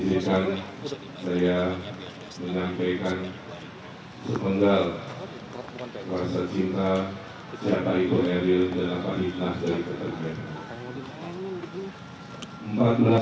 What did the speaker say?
sebelumnya saya menyampaikan sepenggal kuasa cinta siapa itu erwin dan apa hitnah dari ketemuannya